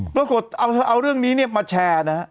ปรากฏเอาเธอเอาเรื่องนี้เนี่ยมาแชร์นะฮะ